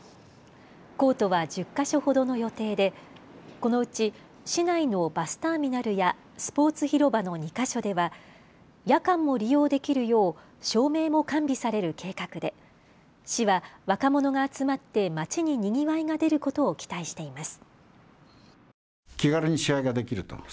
コートは１０か所ほどの予定でこのうち市内のバスターミナルやスポーツ広場の２か所では夜間も利用できるよう照明も完備される計画で市は若者が集まってまちににぎわいが出ることを期待しています。